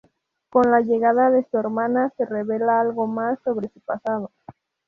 Con la llegada de su hermana se revela algo más sobre su pasado.